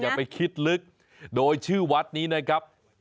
อย่าไปคิดลึกโดยชื่อวัดนี้นะครับ